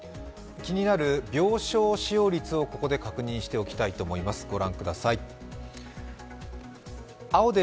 気になる病床使用率をここで確認しておきたいと思います。